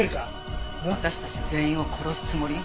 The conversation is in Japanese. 私たち全員を殺すつもり？